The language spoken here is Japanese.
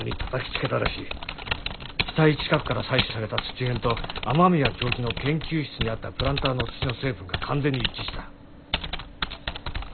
死体近くから採取された土片と雨宮教授の研究室にあったプランターの土の成分が完全に一致した。